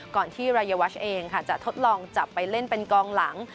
ที่รายวัชเองค่ะจะทดลองจับไปเล่นเป็นกองหลัง